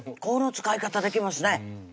この使い方できますね